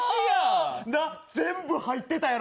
な、全部、入ってたやろ。